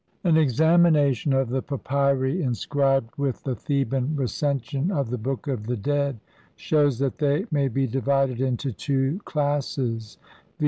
An examination of the papyri inscribed with the Theban Recension of the Book of the Dead shews that they may be divided into two classes, viz.